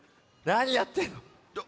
なにやってんの？